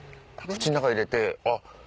口ん中入れてあっ。